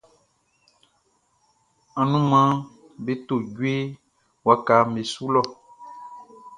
Anumanʼm be to djue wakaʼm be su lɔ.